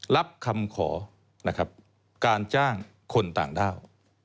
รับคำขอนะครับการจ้างคนต่างด้าว